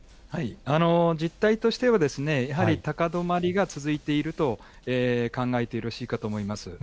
実態としては、やはり高止まりが続いていると考えてよろしいかと思います。